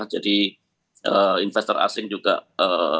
jadi investor asing juga mengurangi masuknya ke dalam pasar saham